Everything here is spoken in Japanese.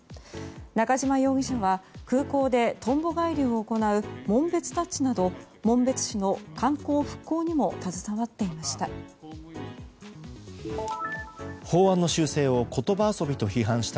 中島容疑者は空港でとんぼ返りを行う紋別タッチなど紋別市の観光復興にも携わっていました。